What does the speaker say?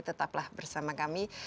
tetaplah bersama kami